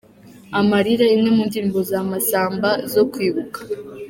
Amarira, imwe mu ndirimbo za Masamba zo kwibuka.